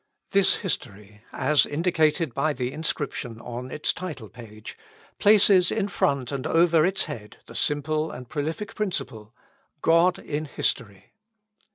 This history, as indicated by the inscription on its title page, places in front and over its head the simple and prolific principle, GOD IN HISTORY.